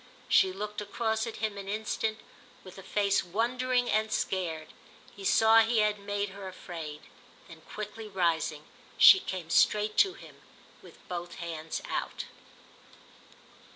She looked across at him an instant with a face wondering and scared; he saw he had made her afraid. Then quickly rising she came straight to him with both hands out.